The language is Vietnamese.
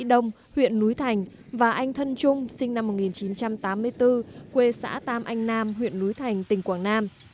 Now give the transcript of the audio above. đông huyện núi thành và anh thân trung sinh năm một nghìn chín trăm tám mươi bốn quê xã tam anh nam huyện núi thành tỉnh quảng nam